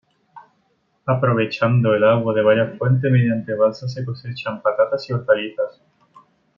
Aprovechando el agua de varias fuentes mediante balsas se cosechan patatas y hortalizas.